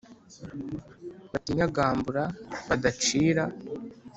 Batinyagambura badacira